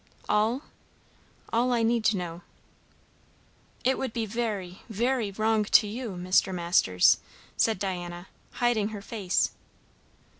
"All?" "All I need to know." "It would be very, very wrong to you, Mr. Masters!" said Diana, hiding her face.